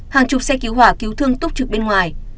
hàng chục xe cứu hỏa cứu thương túc trực bên ngoài